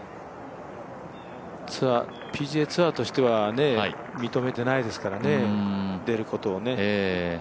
ＰＧＡツアーとしては認めてないですからね、出ることをね。